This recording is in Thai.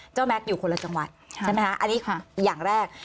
แม็กซ์อยู่คนละจังหวัดใช่ไหมคะอันนี้อย่างแรก